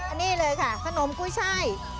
อันนี้เลยค่ะขนมกุ้ยช่าย